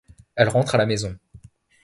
Elle rentre à la maison.